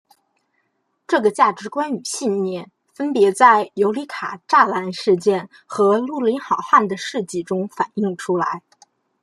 这个价值观与信念分别在尤里卡栅栏事件和绿林好汉的事迹中反映出来。